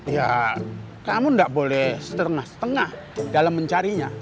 ya kamu nggak boleh setengah setengah dalam mencarinya